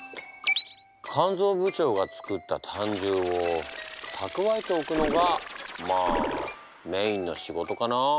肝ぞう部長がつくった胆汁をたくわえておくのがまあメインの仕事かな。